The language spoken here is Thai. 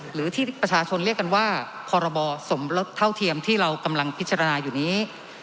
หรือที่ประชาชนเรียกกันว่าพรบสมรสเท่าเทียมที่เรากำลังพิจารณาอยู่นี้